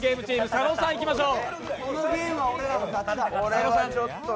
佐野さんいきましょう。